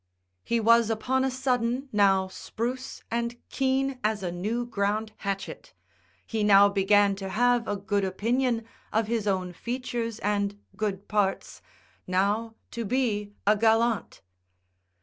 He was upon a sudden now spruce and keen, as a new ground hatchet. He now began to have a good opinion of his own features and good parts, now to be a gallant.